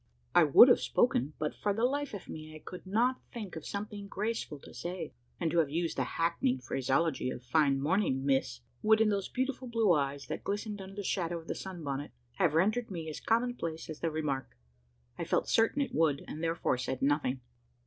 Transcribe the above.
I would have spoken; but, for the life of me, I could not think of something graceful to say; and to have used the hackneyed phraseology of "Fine morning, miss!" would, in those beautiful blue eyes that glistened under the shadow of the sun bonnet, have rendered me as commonplace as the remark. I felt certain it would; and therefore said nothing.